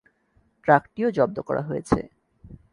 ট্রাকটিও জব্দ করা হয়েছে।